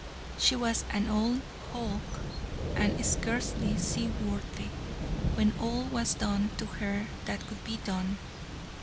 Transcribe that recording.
She was an old hulk, and scarcely seaworthy when all was done to her that could be done.